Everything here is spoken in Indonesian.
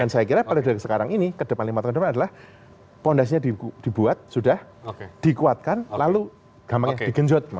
dan saya kira paling dari sekarang ini ke depan lima tahun depan adalah fondasinya dibuat sudah dikuatkan lalu gampangnya digenjot